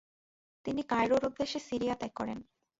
তিনি কায়রোর উদ্দেশ্যে সিরিয়া ত্যাগ করেন।